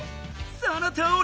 そのとおり！